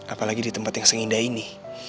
apalagi di tempat yang seindah ini